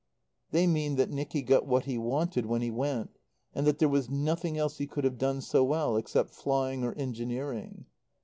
"They mean that Nicky got what he wanted when he went, and that there was nothing else he could have done so well, except flying, or engineering."